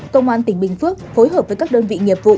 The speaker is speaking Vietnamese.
công an tỉnh bình phước phối hợp với các đơn vị nghiệp vụ